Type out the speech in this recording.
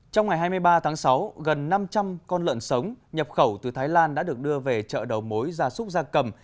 trong ngày hai mươi ba tháng sáu gần năm trăm linh con lợn sống nhập khẩu từ thái lan đã được đưa về chợ đầu mối gia súc gia cầm